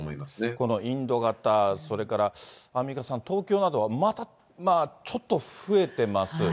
このインド型、それからアンミカさん、東京などはまた、ちょっと増えてます。